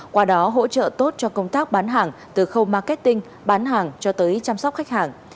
qua đó hỗ trợ tốt cho công tác bán hàng từ khâu marketing bán hàng cho tới chăm sóc khách hàng